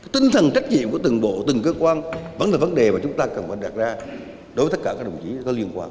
tinh thần trách nhiệm của từng bộ từng cơ quan vẫn là vấn đề mà chúng ta cần phải đặt ra đối với tất cả các đồng chí có liên quan